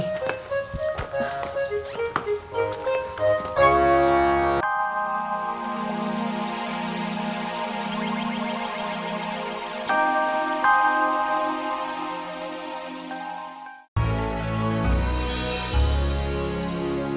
sampai jumpa di video selanjutnya